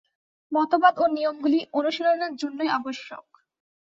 মতবাদ ও নিয়মগুলি অনুশীলনের জন্যই আবশ্যক।